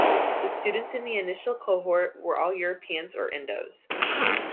The students in the initial cohort were all Europeans or Indos.